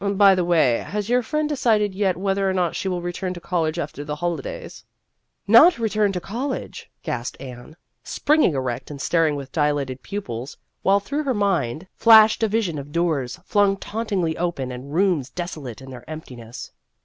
By the way, has your friend decided yet whether or not she will return to college after the holidays ?" "Not return to college !" gasped Anne, springing erect and staring with dilated pupils, while through her mind flashed a 150 Vassar Studies vision of doors flung tauntingly open and rooms desolate in their emptiness.